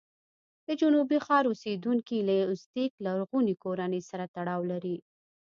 د جنوبي ښار اوسېدونکي له ازتېک لرغونې کورنۍ سره تړاو لري.